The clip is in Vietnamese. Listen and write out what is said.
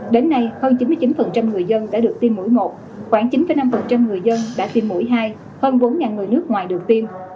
đến nay hơn chín mươi chín người dân đã được tiêm mũi một khoảng chín năm người dân đã tiêm mũi hai hơn bốn người nước ngoài đầu tiên